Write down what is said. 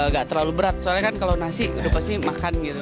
gak terlalu berat soalnya kan kalau nasi udah pasti makan gitu